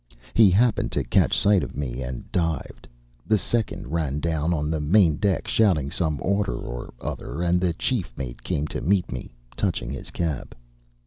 He happened to catch sight of me and dived, the second ran down on the main deck shouting some order or other, and the chief mate came to meet me, touching his cap.